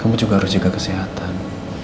kami juga harus jaga kesehatan